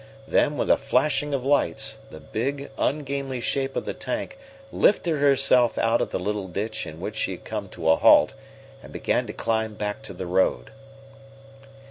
Then, with a flashing of lights, the big, ungainly shape of the tank lifted herself out of the little ditch in which she had come to a halt, and began to climb back to the road.